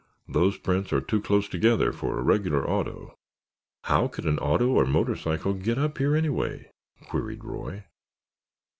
"Those prints are too close together for a regular auto." "How could an auto or a motor cycle get up here, anyway?" queried Roy.